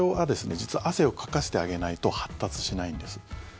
実は汗をかかせてあげないと発達しないんです。